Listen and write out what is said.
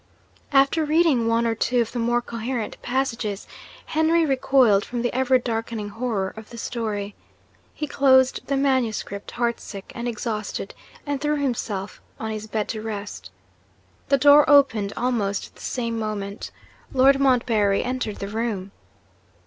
After reading one or two of the more coherent passages Henry recoiled from the ever darkening horror of the story. He closed the manuscript, heartsick and exhausted, and threw himself on his bed to rest. The door opened almost at the same moment. Lord Montbarry entered the room.